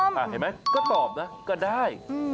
เห็นไหมก็ตอบนะก็ได้